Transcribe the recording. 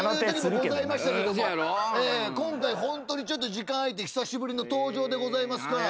今回ホントにちょっと時間空いて久しぶりの登場でございますから。